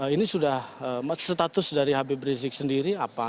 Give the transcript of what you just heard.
ini sudah status dari hpb resik sendiri apa